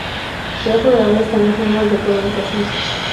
De otro lado están las normas de colonización.